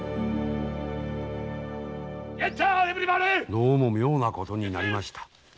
どうも妙なことになりました。